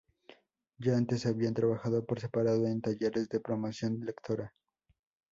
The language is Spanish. Ya antes habían trabajado por separado en talleres de promoción lectora.